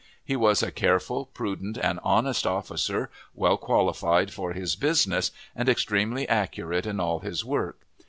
He was a careful, prudent, and honest officer, well qualified for his business, and extremely accurate in all his work.